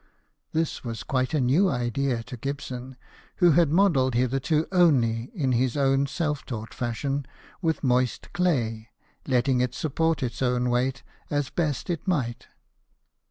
This was quite a new idea to Gibson, who had modelled hitherto only in his own self taught fashion with moist clay, letting it support its own weight as best it might.